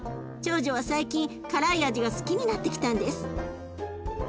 長女は最近辛い味が好きになってきたんです。